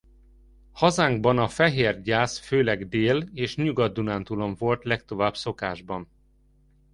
Hazánkban a fehér gyász főleg Dél- és Nyugat-Dunántúlon volt legtovább szokásban.